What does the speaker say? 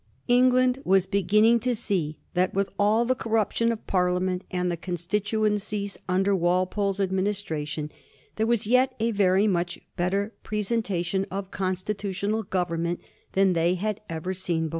England was beginning to see that, with all the corruption of Parliament and the constituencies under Walpole's administration, there was yet a very much bet ter presentation of constitutional government than they had ever seen before.